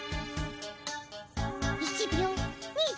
１秒２秒。